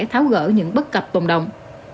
tháo gỡ những bất cập tồn đồng